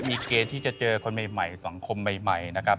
มีเกณฑ์ที่จะเจอคนใหม่สังคมใหม่นะครับ